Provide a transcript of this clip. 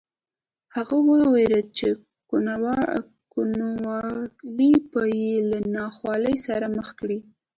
هغه وېرېده چې کوڼوالی به یې له ناخوالې سره مخ کړي